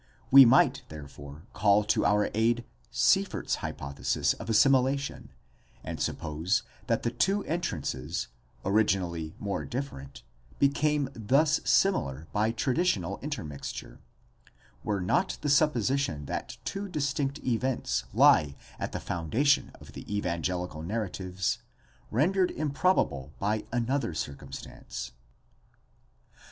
We might therefore call to our aid Sieffert's hypothesis of assimilation, and sup pose that the two entrances, originally more different, became thus similar by traditional intermixture : were not the supposition that two distinct events lie at the foundation of the evangelical narratives, rendered improbable by an other circumstance.